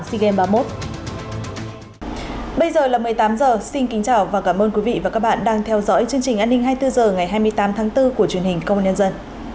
xin kính chào và cảm ơn quý vị và các bạn đang theo dõi chương trình an ninh hai mươi bốn h ngày hai mươi tám tháng bốn của truyền hình công an nhân dân